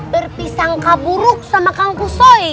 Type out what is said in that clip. berpisangka buruk sama kangkusoy